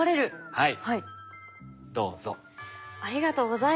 はい。